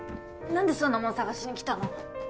何でそんなもんさがしにきたの？